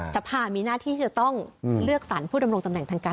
สภามีหน้าที่จะต้องเลือกสรรผู้ดำรงตำแหน่งทางการ